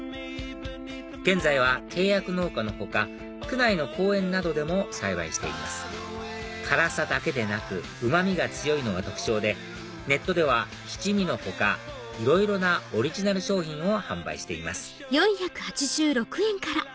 現在は契約農家の他区内の公園などでも栽培しています辛さだけでなくうま味が強いのが特徴でネットでは七味の他いろいろなオリジナル商品を販売していますあっ